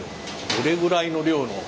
どれぐらいの量の。